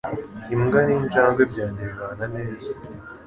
Imbwa ninjangwe byanjye bibana neza.